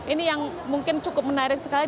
ini yang mungkin cukup menarik sekali